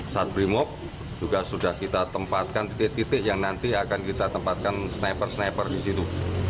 saat brimob juga sudah kita tempatkan titik titik yang nanti akan kita tempatkan sniper sniper di situ